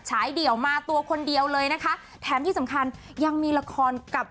เดี่ยวมาตัวคนเดียวเลยนะคะแถมที่สำคัญยังมีละครกับ